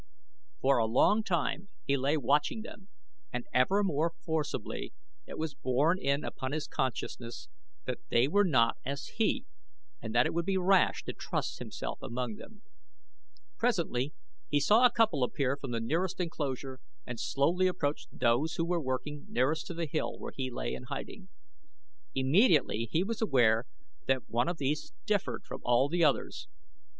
For a long time he lay watching them and ever more forcibly it was borne in upon his consciousness that they were not as he, and that it would be rash to trust himself among them. Presently he saw a couple appear from the nearest enclosure and slowly approach those who were working nearest to the hill where he lay in hiding. Immediately he was aware that one of these differed from all the others.